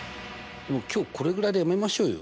でも今日これぐらいでやめましょうよ。